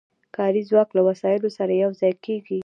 کاري ځواک له وسایلو سره یو ځای کېږي